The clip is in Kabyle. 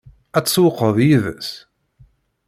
Ad tsewwqeḍ yid-s?